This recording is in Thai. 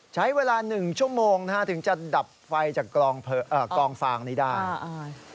ใช้เวลา๑ชั่วโมงถึงจะดับไฟจากกองฟางนี้ได้